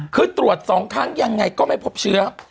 คือตรวจ๒ครั้งยังไงก็ไม่พบเชื้อ